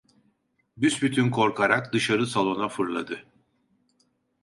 Büsbütün korkarak dışarı salona fırladı.